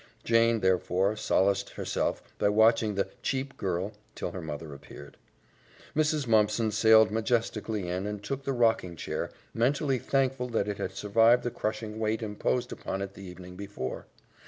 Jane, therefore, solaced herself by watching the "cheap girl" till her mother appeared. Mrs. Mumpson sailed majestically in and took the rocking chair, mentally thankful that it had survived the crushing weight imposed upon it the evening before.